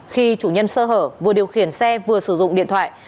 khi chủ nhân sơ hở vừa điều khiển xe vừa sử dụng điện thoại